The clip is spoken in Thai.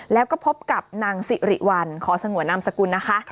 แล้วก็พบกับนางสิริวัลขอสงวนนามสกุลนะคะ